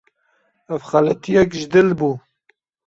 Ev xeletiyek ji dil bû.